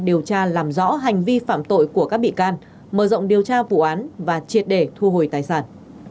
điều tra làm rõ hành vi phạm tội của các bị can mở rộng điều tra vụ án và triệt để thu hồi tài sản